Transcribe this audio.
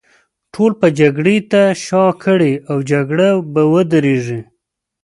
ټول به جګړې ته شا کړي، او جګړه به ودرېږي.